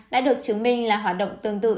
đã được chứng minh là hoạt động tương tự